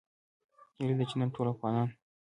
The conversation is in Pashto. هیله ده چې نن ټول افغانان